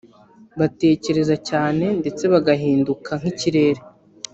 Baratekereza cyane ndetse bagahinduka nk’ikirere